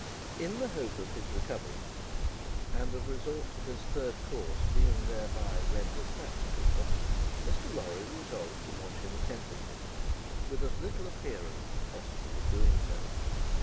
In the hope of his recovery, and of resort to this third course being thereby rendered practicable, Mr. Lorry resolved to watch him attentively, with as little appearance as possible of doing so.